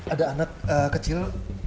ada anak kecil